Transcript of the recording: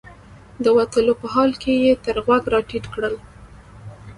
د وتلو په حال کې یې تر غوږ راټیټ کړل.